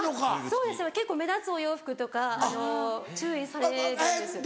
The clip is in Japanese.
そうですね結構目立つお洋服とか注意されるんですよ。